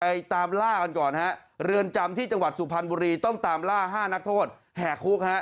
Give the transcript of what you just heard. ตามล่ากันก่อนฮะเรือนจำที่จังหวัดสุพรรณบุรีต้องตามล่า๕นักโทษแห่คุกฮะ